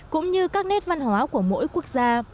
cũng như các nét văn hóa của mỗi quốc gia